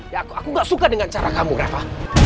aku gak suka dengan cara kamu reva